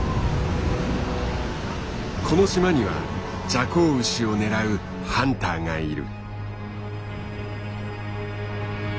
この島にはジャコウウシを狙うハンターがいる。